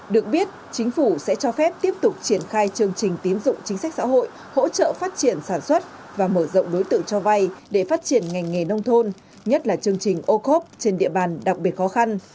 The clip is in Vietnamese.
được biết chính phủ sẽ cho phép tiếp tục triển khai chương trình tín dụng chính sách xã hội hỗ trợ phát triển sản xuất và mở rộng đối tượng cho vay để phát triển ngành nghề nông thôn nhất là chương trình ô khốp trên địa bàn đặc biệt khó khăn